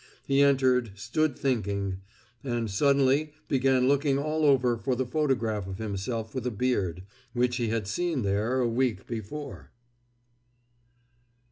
He entered, stood thinking, and suddenly began looking all over for the photograph of himself, with a beard, which he had seen there a week before.